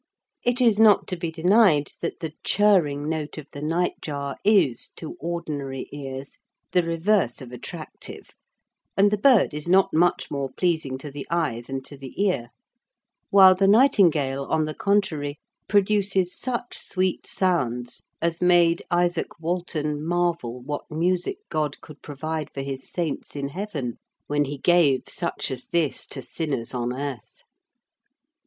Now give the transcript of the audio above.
It is not to be denied that the churring note of the nightjar is, to ordinary ears, the reverse of attractive, and the bird is not much more pleasing to the eye than to the ear; while the nightingale, on the contrary, produces such sweet sounds as made Izaak Walton marvel what music God could provide for His saints in heaven when He gave such as this to sinners on earth.